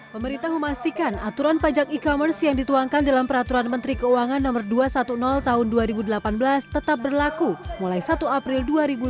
pemerintah memastikan aturan pajak e commerce yang dituangkan dalam peraturan menteri keuangan no dua ratus sepuluh tahun dua ribu delapan belas tetap berlaku mulai satu april dua ribu sembilan belas